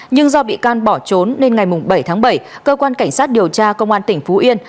nhưng do bị can bỏ trốn nên ngày bảy tháng bảy cơ quan cảnh sát điều tra công an tỉnh phú yên